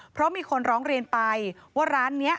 เพราะมีคนร้องเรียนไปว่าร้านนี้